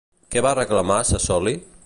Què va reclamar a Sassoli?